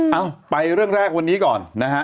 เอาไปเรื่องแรกวันนี้ก่อนนะฮะ